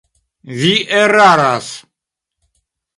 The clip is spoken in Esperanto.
Vi eraras.